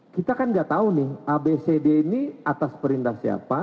kita kan nggak tahu nih abcd ini atas perintah siapa